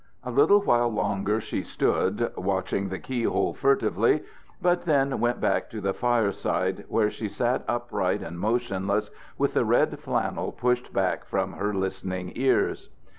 A little while longer she stood, watching the key hole furtively, but then went back to the fireside, where she sat upright and motionless with the red flannel pushed back from her listening ears.